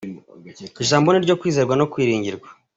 Ijambo ni iryo kwizerwa no kwiringirwa.